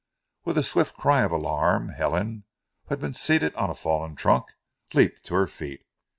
With a swift cry of alarm, Helen, who had been seated on a fallen trunk, leaped to her feet.